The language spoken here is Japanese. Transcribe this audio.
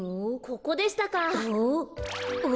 ここでしたか。